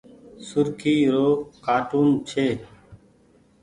سرکي رو ڪآٽون ڇي۔